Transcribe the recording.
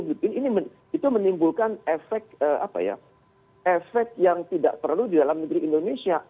itu menimbulkan efek yang tidak perlu di dalam negeri indonesia